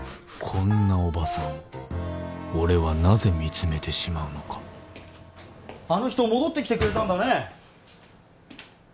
こんなおばさんを俺はなぜ見つめてしまうのかあの人戻ってきてくれたんだね